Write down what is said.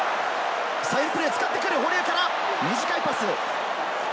サインプレーを使ってくる堀江から短いパス。